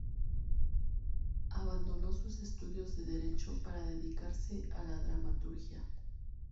Abandonó sus estudios de Derecho para dedicarse a la dramaturgia.